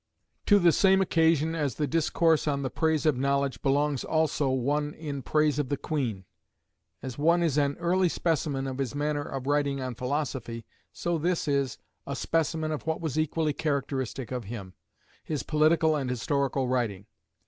To the same occasion as the discourse on the Praise of Knowledge belongs, also, one in Praise of the Queen. As one is an early specimen of his manner of writing on philosophy, so this is a specimen of what was equally characteristic of him his political and historical writing.